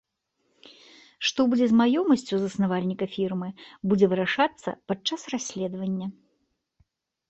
Што будзе з маёмасцю заснавальніка фірмы, будзе вырашацца падчас расследавання.